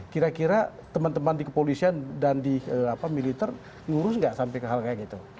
kira kira teman teman di kepolisian dan di militer ngurus nggak sampai ke hal kayak gitu